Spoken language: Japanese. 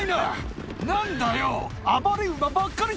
何だよ。